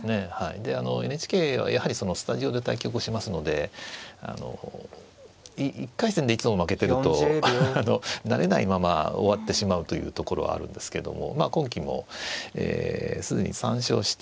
であのＮＨＫはやはりそのスタジオで対局をしますのであの１回戦でいつも負けてると慣れないまま終わってしまうというところあるんですけどもまあ今期も既に３勝して。